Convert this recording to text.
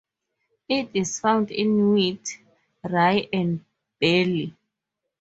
It is found in wheat, rye, and barley.